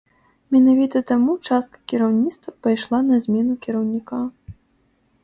Менавіта таму частка кіраўніцтва пайшла на змену кіраўніка.